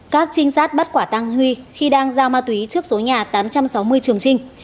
đội cảnh sát bắt quả tang huy khi đang giao ma túy trước số nhà tám trăm sáu mươi trường trinh